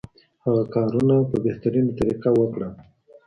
هغه کارونه په بهترینه طریقه وکړه